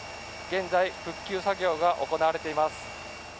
現在、復旧作業が行われています。